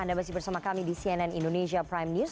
anda masih bersama kami di cnn indonesia prime news